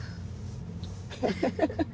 フフフフ！